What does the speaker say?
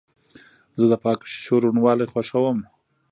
زه د پاکو شیشو روڼوالی خوښوم.